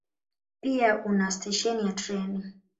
Pia una stesheni ya treni.